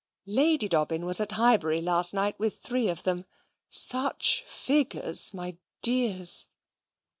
Lady Dobbin was at Highbury last night with three of them. Such figures! my dears."